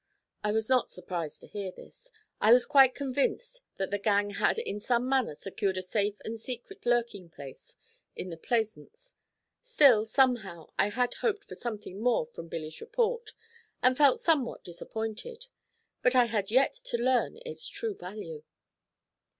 I was not surprised to hear this. I was quite convinced that the gang had in some manner secured a safe and secret lurking place in the Plaisance. Still, somehow, I had hoped for something more from Billy's report, and felt somewhat disappointed. But I had yet to learn its true value.